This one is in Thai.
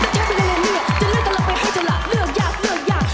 จะเลือกกับเราไปให้จะหลับเลือกยากเลือกยาก